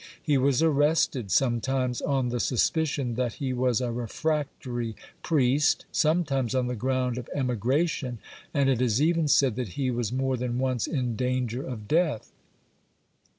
He was arrested, sometimes on the suspicion that he was a refractory priest, sometimes on the ground of emigration, and it is even said that he was more than once in danger of death.